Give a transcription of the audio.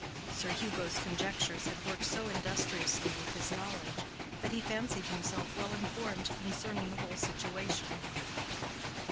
Sir Hugo's conjectures had worked so industriously with his knowledge, that he fancied himself well informed concerning the whole situation.